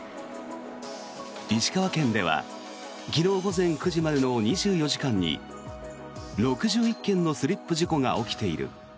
石川県では昨日午前９時までの２４時間に６１件のスリップ事故が起きている。